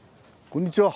こんにちは。